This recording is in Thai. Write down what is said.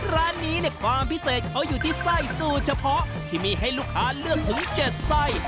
ร้านนี้เนี่ยความพิเศษเขาอยู่ที่ไส้สูตรเฉพาะที่มีให้ลูกค้าเลือกถึง๗ไส้